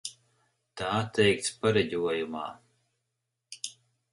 Tā teikts pareģojumā.